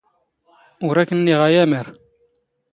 ⵓⵔ ⴰⴽ ⵏⵏⵉⵖ ⴰ ⴰⵎⴰⵔ.